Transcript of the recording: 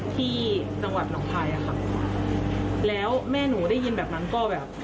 ที่จังหวัดหนองคายอะค่ะแล้วแม่หนูได้ยินแบบนั้นก็แบบ